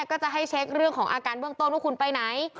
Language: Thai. ก็จะให้เช็คเรื่องของอาการเบื้องต้นว่าคุณไปไหน